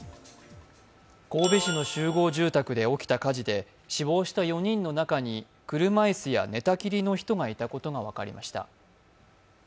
神戸市の集合住宅で起きた火事で死亡した４人の中に車いすや寝たきりの人がいたことが分かりました。